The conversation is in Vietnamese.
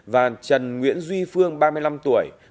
và trần nguyễn duy phương ba mươi năm tuổi